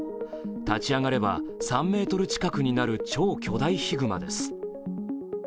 立ち上がれば３ｍ近くになる超巨大ヒグマです。